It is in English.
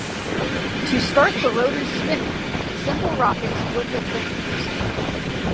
To start the rotors spinning, simple rockets would have been used.